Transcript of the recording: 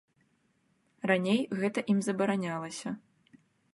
Раней гэта ім забаранялася.